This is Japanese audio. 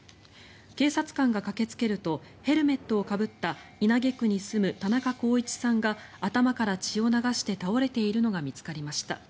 警察官が駆けつけるとヘルメットをかぶった稲毛区に住む田中幸一さんが頭から血を流して倒れているのが見つかりました。